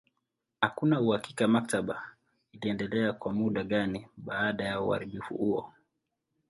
Hakuna uhakika maktaba iliendelea kwa muda gani baada ya uharibifu huo.